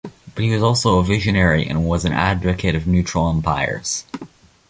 But he was also a visionary and was an advocate of neutral umpires.